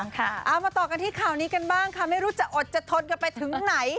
เอามาต่อกันที่ข่าวนี้กันบ้างค่ะไม่รู้จะอดจะทนกันไปถึงไหน